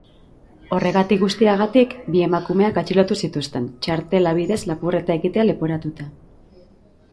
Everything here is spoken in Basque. Horregatik guztiagatik, bi emakumeak atxilotu zituzten, txartela bidez lapurreta egitea leporatuta.